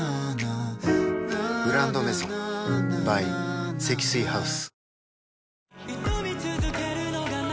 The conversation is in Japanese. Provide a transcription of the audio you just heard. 「グランドメゾン」ｂｙ 積水ハウス